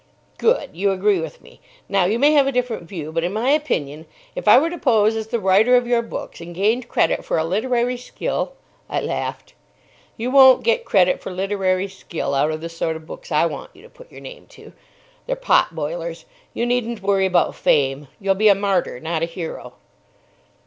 "Good! You agree with me. Now, you may have a different view; but, in my opinion, if I were to pose as the writer of your books, and gained credit for a literary skill——" I laughed. "You won't get credit for literary skill out of the sort of books I want you to put your name to. They're potboilers. You needn't worry about Fame. You'll be a martyr, not a hero."